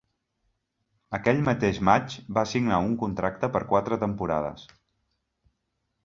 Aquell mateix maig va signar un contracte per quatre temporades.